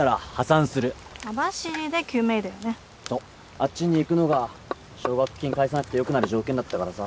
あっちに行くのが奨学金返さなくてよくなる条件だったからさ。